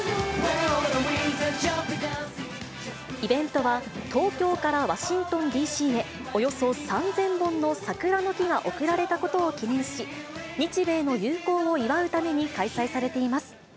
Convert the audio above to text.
イベントは、東京からワシントンＤＣへおよそ３０００本の桜の木が贈られたことを記念し、日米の友好を祝うために開催されています。